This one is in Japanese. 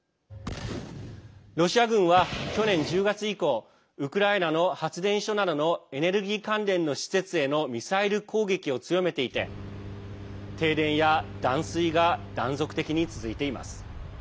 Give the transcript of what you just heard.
ロシア軍は去年１０月以降ウクライナの発電所などのエネルギー関連の施設へのミサイル攻撃を強めていて停電や断水が断続的に続いています。